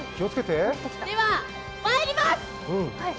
ではまいります！